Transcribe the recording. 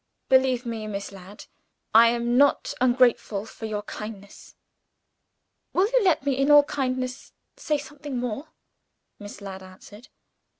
"Believe me, Miss Ladd, I am not ungrateful for your kindness." "Will you let me, in all kindness, say something more?" Miss Ladd answered.